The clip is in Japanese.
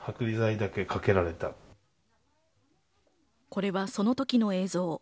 これはその時の映像。